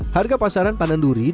harga pandan duri ini